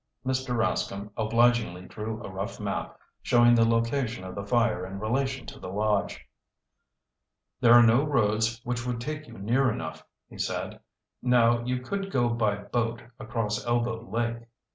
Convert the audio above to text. Mr. Rascomb obligingly drew a rough map, showing the location of the fire in relation to the lodge. "There are no roads which would take you near enough," he said. "Now you could go by boat across Elbow Lake.